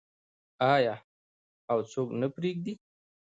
آیا او څوک نه پریږدي؟